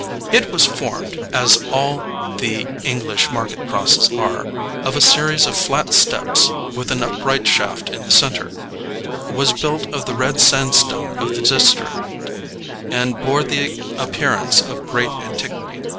It was formed, as all the English market crosses are, of a series of flat steps, with an upright shaft in the centre, was built of the red sandstone of the district, and bore the appearance of great antiquity.